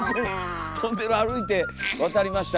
トンネル歩いて渡りましたか。